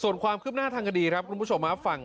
ส่วนความคืบหน้าทางคดีครับคุณผู้ชมฟัง